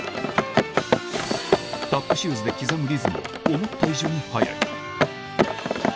タップシューズで刻むリズムは思った以上に速い